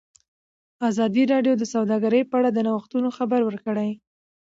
ازادي راډیو د سوداګري په اړه د نوښتونو خبر ورکړی.